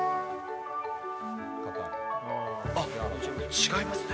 違いますね。